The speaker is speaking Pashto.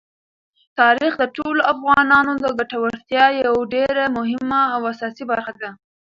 تاریخ د ټولو افغانانو د ګټورتیا یوه ډېره مهمه او اساسي برخه ده.